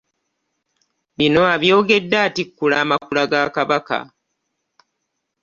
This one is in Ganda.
Bino abyogedde atikkula amakula ga Kabaka